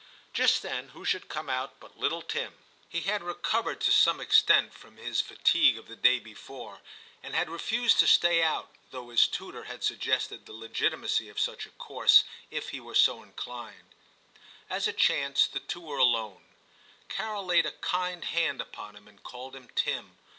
Just then who should come out but little Tim. He had recovered to some i VII TIM 157 extent from his fatigue of the day before, and had refused to stay out, though his tutor had suggested the legitimacy of such a course if he were so inclined. As it chanced, the two were alone. Carol laid a kind hand upon him and called him ' Tim.